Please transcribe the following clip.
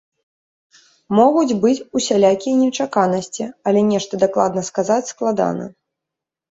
Могуць быць усялякія нечаканасці, але нешта дакладна сказаць складана.